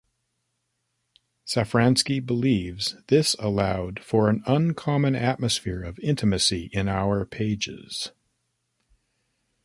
Safransky believes this allowed for an uncommon atmosphere of intimacy in our pages.